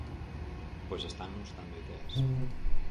Pois estannos dando ideas.